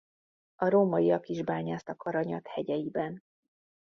A rómaiak is bányásztak aranyat hegyeiben.